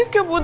aku mau pergi